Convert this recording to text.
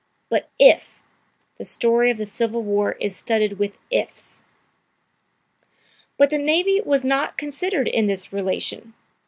But IF the story of the Civil War is studded with "Ifs."] But the navy was not considered in this relation.